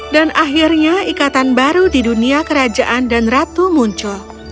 dan akhirnya ikatan baru di dunia kerajaan dan ratu muncul